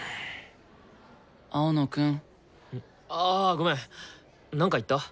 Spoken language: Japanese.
青野くん。ああごめんなんか言った？